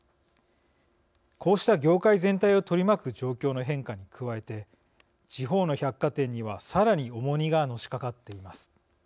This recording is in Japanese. こうした業界全体を取り巻く状況の変化に加えて地方の百貨店にはさらに重荷がのしかかっています。